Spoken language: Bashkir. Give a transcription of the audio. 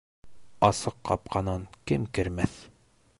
Асыҡ ҡапҡанан кем кермәҫ?